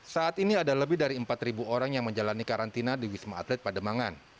saat ini ada lebih dari empat orang yang menjalani karantina di wisma atlet pademangan